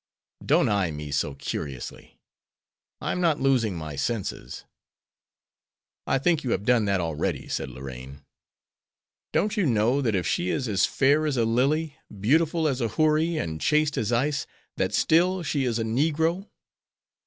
Don't eye me so curiously; I am not losing my senses." "I think you have done that already," said Lorraine. "Don't you know that if she is as fair as a lily, beautiful as a houri, and chaste as ice, that still she is a negro?"